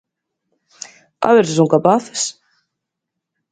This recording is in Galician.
¡A ver se son capaces!